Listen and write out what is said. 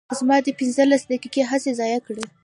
زما دې پنځلس دقیقې هسې ضایع کړې.